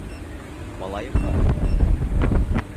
Малайым бар.